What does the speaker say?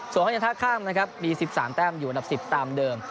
ส่วนห้องเย็นท่าข้ามนะครับมี๑๓แต้มอยู่อันดับ๑๐ตามเดิม